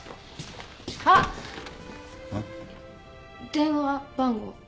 電話番号。